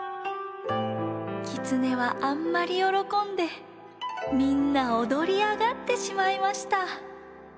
きつねはあんまりよろこんでみんなおどりあがってしまいました。